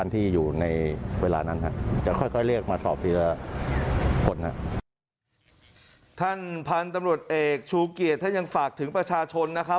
ท่านพันธุ์ตำรวจเอกชูเกียรติท่านยังฝากถึงประชาชนนะครับ